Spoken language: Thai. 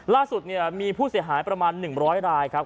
ล่าสุดเนี่ยมีผู้เสียหายประมาณหนึ่งร้อยลายครับ